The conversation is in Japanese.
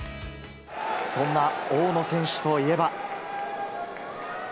そんな大野選手といえば。